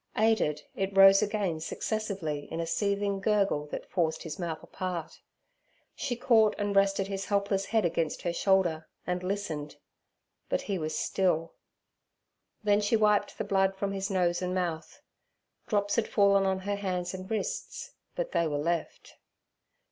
Aided, it rose again successively in a seething gurgle that forced his mouth apart. She caught and rested his helpless head against her shoulder and listened—but he was still; then she wiped the blood from his nose and mouth. Drops had fallen on her hands and wrists, but they were left.